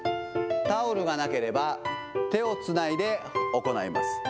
タオルがなければ、手をつないで行います。